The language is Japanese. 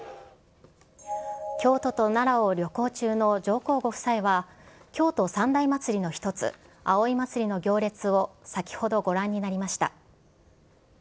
京都と奈良を旅行中の上皇ご夫妻は、京都三大祭りの一つ、葵祭の行列を先ほど、ご覧になりました。